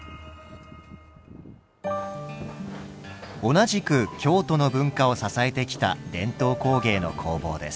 同じく京都の文化を支えてきた伝統工芸の工房です。